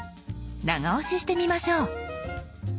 長押ししてみましょう。